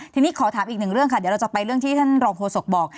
ทีนี้ขอถามอีกหนึ่งเรื่องค่ะเดี๋ยวเราจะไปเรื่องที่ท่านรองโฆษกบอก